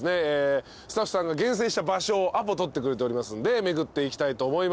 スタッフさんが厳選した場所をアポ取ってくれておりますんで巡っていきたいと思います。